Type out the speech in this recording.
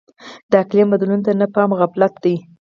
د اقلیم بدلون ته نه پام غفلت دی.